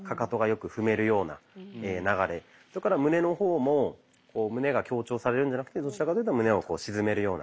それから胸の方も胸が強調されるんじゃなくてどちらかというと胸を沈めるような。